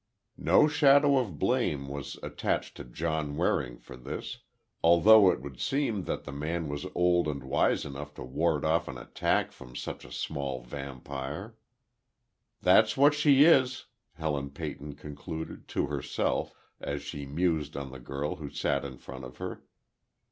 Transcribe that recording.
No shadow of blame was attached to John Waring for this—although it would seem that the man was old and wise enough to ward off an attack from such a small vampire. "That's what she is," Helen Peyton concluded, to herself, as she mused on the girl who sat in front of her.